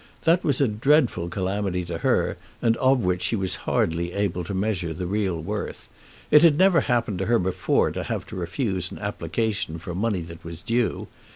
That was a dreadful calamity to her, and of which she was hardly able to measure the real worth. It had never happened to her before to have to refuse an application for money that was due.